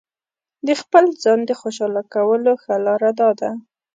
د خپل ځان د خوشاله کولو ښه لاره داده.